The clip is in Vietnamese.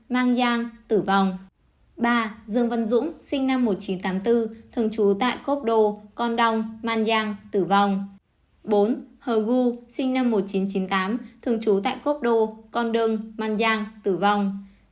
bốn hờ gu sinh năm một nghìn chín trăm chín mươi tám thường trú tại cốc đô con đơn mang giang tử vong